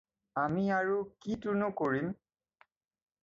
আমি আৰু কিটোনো কৰিম?